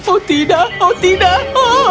oh tidak oh tidak